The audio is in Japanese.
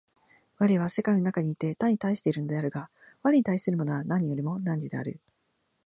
我は世界の中にいて他に対しているのであるが、我に対するものは何よりも汝である。